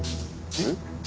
えっ？